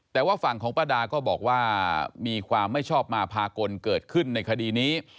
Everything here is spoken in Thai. แต่ว่าฝั่งของป้าดาก็บอกว่ามีความไม่ชอบมาพากลเกิดขึ้นในคดีนี้